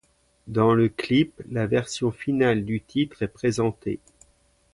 Dans le clip, la version finale du titre est présentée.